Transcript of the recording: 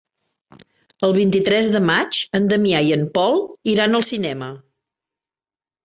El vint-i-tres de maig en Damià i en Pol iran al cinema.